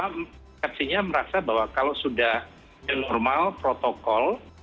maksudnya merasa bahwa kalau sudah normal protokol